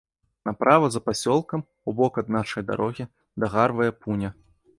Направа за пасёлкам, убок ад нашае дарогі, дагарвае пуня.